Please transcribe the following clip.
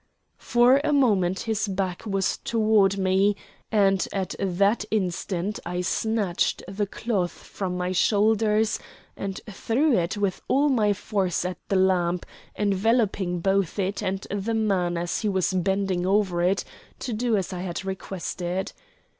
For a moment his back was toward me, and at that instant I snatched the cloth from my shoulders and threw it with all my force at the lamp, enveloping both it and the man as he was bending over it to do as I had requested.